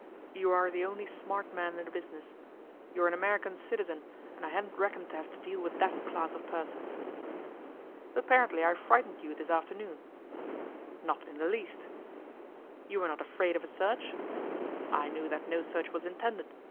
You are the only smart man in the business. You are an American citizen, and I hadn't reckoned to have to deal with that class of person.' 'Apparently I frightened you this afternoon?' 'Not in the least.' 'You were not afraid of a search?' 'I knew that no search was intended.